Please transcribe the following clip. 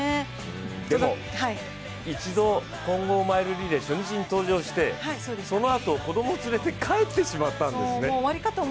でも、一度、混合マイルリレー初日に登場してそのあと子供を連れて帰ってしまったんですね。